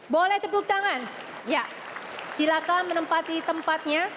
boleh tepuk tangan ya silakan menempati tempatnya